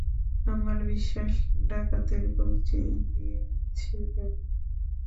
আমার বিশ্বাস ডাকাতের কবজি দিয়েছি ভেঙে।